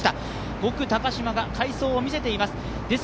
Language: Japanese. ５区高島が快走を見せています。